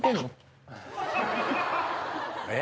え？